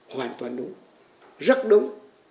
hoàn toàn đúng rất đúng